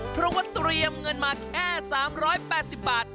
เพราะว่าเตรียมเงินมาแค่๓๘๐บาท